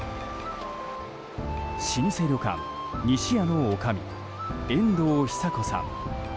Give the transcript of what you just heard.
老舗旅館、西屋のおかみ遠藤央子さん。